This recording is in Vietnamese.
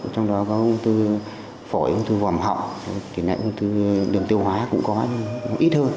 trong đó có ung thư phổi ung thư vòng họng tỷ lệ ung thư đường tiêu hóa cũng có ít hơn